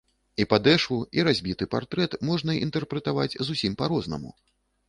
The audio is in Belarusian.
І падэшву, і разбіты партрэт можна інтэрпрэтаваць зусім па-рознаму.